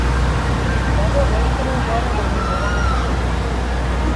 لآڏو گھڻوݩ ڪري اُگھآڙي مٿي سُورآݩ ميݩ ڪوندو وهي